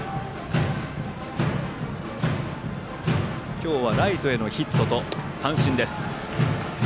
今日はライトへのヒットと三振です。